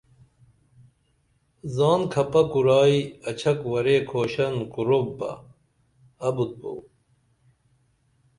زان کھپہ کرائی اچھک ورے کھوشن کروپ بہ ابُت بو